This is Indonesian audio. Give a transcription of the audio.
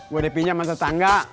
gua udah pinjam sama tetangga